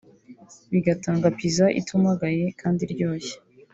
bigatanga pizza itumagaye kandi iryoshye